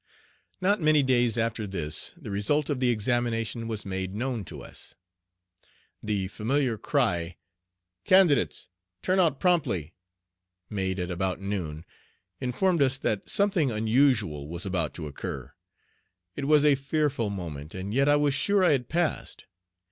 Not many days after this the result of the examination was made known to us. The familiar cry, "Candidates, turn out promptly," made at about noon, informed us that something unusual was about to occur. It was a fearful moment, and yet I was sure I had "passed."